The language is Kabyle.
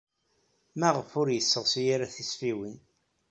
Maɣef ur yesseɣsi ara tisfiwin?